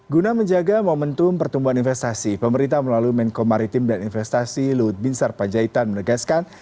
guna menjaga momentum pertumbuhan investasi pemerintah melalui menko maritim dan investasi luhut binsar panjaitan menegaskan